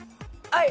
はい！